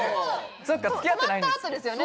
そっか付き合ってないんですね